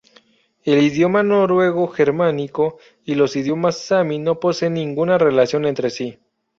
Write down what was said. El idioma noruego germánico y los idiomas sami no poseen ninguna relación entre sí.